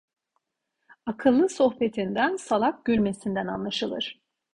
Akıllı sohbetinden salak gülmesinden anlaşılır.